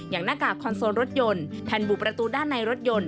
หน้ากากคอนโซลรถยนต์แผ่นบุประตูด้านในรถยนต์